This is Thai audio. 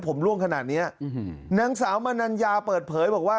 ผมร่วงขนาดเนี้ยอืมนางสาวมนัญญาเปิดเผยบอกว่า